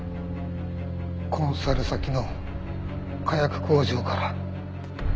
コンサル先の火薬工場から。